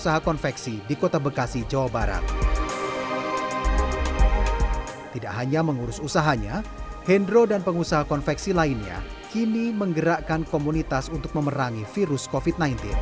tidak hanya mengurus usahanya hendro dan pengusaha konveksi lainnya kini menggerakkan komunitas untuk memerangi virus covid sembilan belas